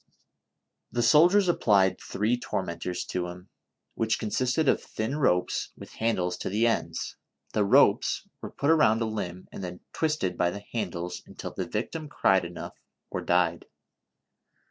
The soldiers applied three tormentors to him, which consisted of thin ropes \\\i\\ liandles to the ends ; the ropes were put around a limb, and then twisted by the handles until the victim cried enough or died.